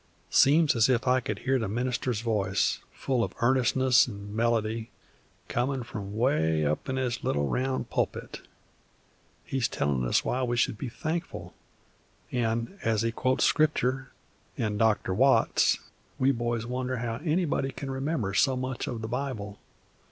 "Seems as if I could hear the minister's voice, full of earnestness an' melody, comin' from 'way up in his little round pulpit. He is tellin' us why we should be thankful, an', as he quotes Scriptur' an' Dr. Watts, we boys wonder how anybody can remember so much of the Bible.